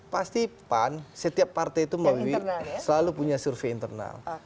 pasti pan setiap partai itu melalui selalu punya survei internal